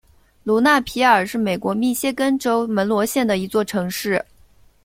卢纳皮尔是美国密歇根州门罗县的一座城市。